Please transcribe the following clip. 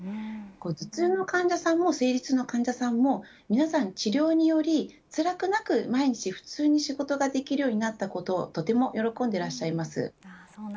頭痛の患者さんも生理痛の患者さんも皆さん治療により辛くなく毎日普通に仕事ができるようになったことをとても喜んでいらっしゃいます。